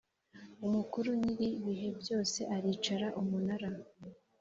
umukuru nyir ibihe byose aricara umunara